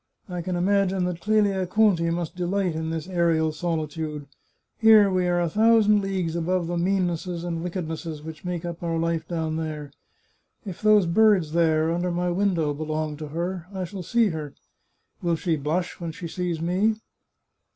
I can imagine that Clelia Conti must delight in this aerial solitude. Here we are a thousand leagues above the meannesses and wickednesses which make up our life down there. If those birds there, under my window, belong to her, I shall see her. ... Will she blush when she sees me